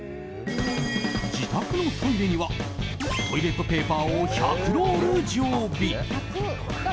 自宅のトイレにはトイレットペーパーを１００ロール常備。